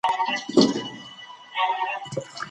د پښتورګو ناروغۍ په ابتدايي پړاو کې لږې نښې لري.